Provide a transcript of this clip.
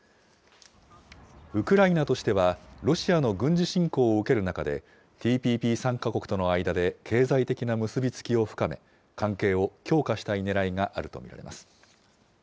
ウクライナとしては、ロシアの軍事侵攻を受ける中で、ＴＰＰ参加国との間で経済的な結び付きを深め、関係を強化したいねらいがあると見られます。